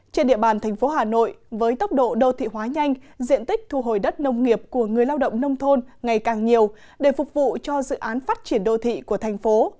trên địa bàn thành phố hà nội với tốc độ đô thị hóa nhanh diện tích thu hồi đất nông nghiệp của người lao động nông thôn ngày càng nhiều để phục vụ cho dự án phát triển đô thị của thành phố